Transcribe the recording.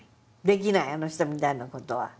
できないあの人みたいな事は。